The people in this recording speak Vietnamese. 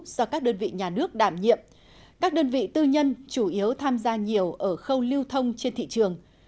do các đơn vị nhà nước đảm nhiệm các đơn vị tư nhân chủ yếu tham gia nhiều ở khâu lưu thông trên thị trường